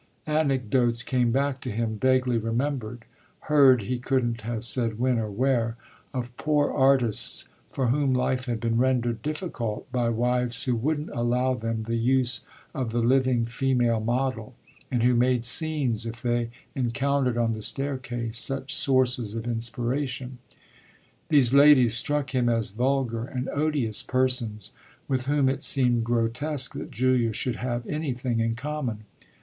Anecdotes came back to him, vaguely remembered, heard he couldn't have said when or where, of poor artists for whom life had been rendered difficult by wives who wouldn't allow them the use of the living female model and who made scenes if they encountered on the staircase such sources of inspiration. These ladies struck him as vulgar and odious persons, with whom it seemed grotesque that Julia should have anything in common.